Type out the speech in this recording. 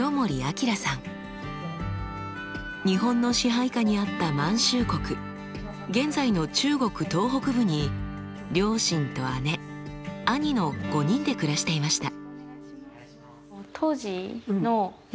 日本の支配下にあった満州国現在の中国東北部に両親と姉兄の５人で暮らしていました。